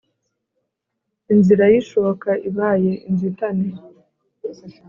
inzira y’ishoka ibaye inzitane !